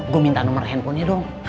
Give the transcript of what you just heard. gue minta nomor handphonenya dong